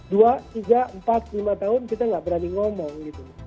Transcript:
dua tiga empat lima tahun kita nggak berani ngomong gitu